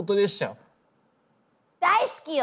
大好きよ！